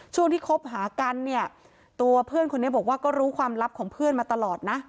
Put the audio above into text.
ช่วงที่คบหากันเนี่ยตัวเพื่อนคนนี้บอกว่าก็รู้ความลับของเพื่อนมาตลอดนะ